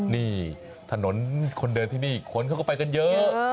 นี่ถนนคนเดินที่นี่คนเขาก็ไปกันเยอะ